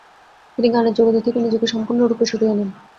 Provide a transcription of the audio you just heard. তিনি গানের জগতে থেকে নিজেকে সম্পূর্ণ রূপে সরিয়ে নেন।